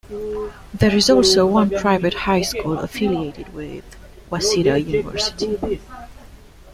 There is also one private high school, affiliated with Waseda University.